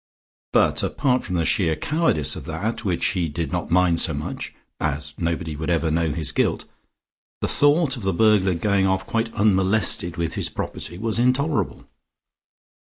But apart from the sheer cowardice of that, which he did not mind so much, as nobody else would ever know his guilt, the thought of the burglar going off quite unmolested with his property was intolerable.